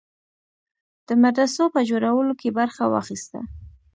د مدرسو په جوړولو کې برخه واخیسته.